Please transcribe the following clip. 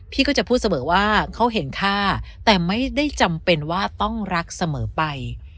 พี่ก็จะพูดเสมอว่าเขาเห็นค่าแต่ไม่ได้จำเป็นว่าต้องรักเสมอไป